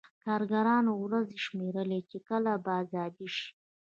کارګرانو ورځې شمېرلې چې کله به ازاد شي